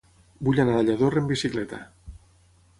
Vull anar a Lladorre amb bicicleta.